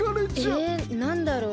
えなんだろう？